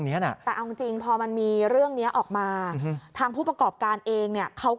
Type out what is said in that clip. ใช่แต่เอาจริงพอมันมีเรื่องนี้ออกมาทางผู้ประกอบการเอง